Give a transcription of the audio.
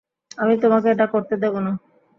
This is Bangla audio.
আমি তোমাকে এটা করতে দেবো না।